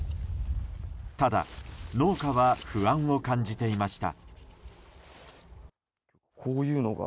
ただ、農家は不安を感じていました。